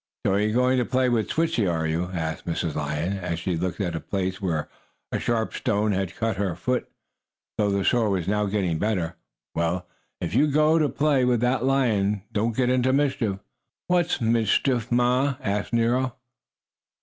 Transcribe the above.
"So you are going to play with Switchie, are you?" asked Mrs. Lion, as she looked at a place where a sharp stone had cut her foot, though the sore was now getting better. "Well, if you go to play with that lion boy don't get into mischief." "What's mischief, Ma?" asked Nero.